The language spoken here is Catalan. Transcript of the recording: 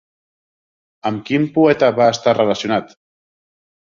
Amb quin poeta va estar relacionat?